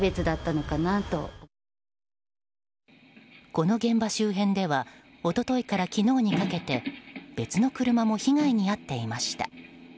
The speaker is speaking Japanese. この現場周辺では一昨日から昨日にかけて別の車も被害に遭っていました。